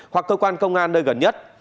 hoặc cơ quan công an nơi gần nhất